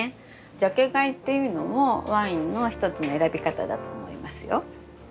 ジャケ買いっていうのもワインの一つの選び方だと思いますよ。